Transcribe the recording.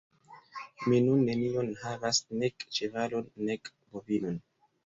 Mi nun nenion havas, nek ĉevalon, nek bovinon.